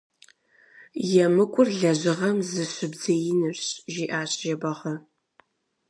ЕмыкӀур лэжьыгъэм зыщыбдзеинырщ, – жиӀащ Жэбагъы.